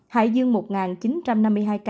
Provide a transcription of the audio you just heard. hải dương một chín trăm năm mươi hai ca